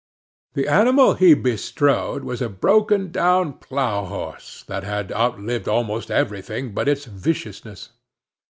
The animal he bestrode was a broken down plow horse, that had outlived almost everything but its viciousness.